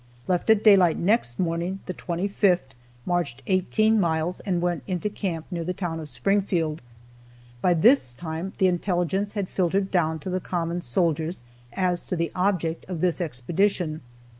Left at daylight next morning (the 25th), marched 18 miles, and went into camp near the town of Springfield. By this time the intelligence had filtered down to the common soldiers as to the object of this expedition.